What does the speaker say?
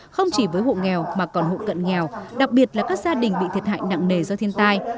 không chỉ với hộ nghèo mà còn hộ cận nghèo đặc biệt là các gia đình bị thiệt hại nặng nề do thiên tai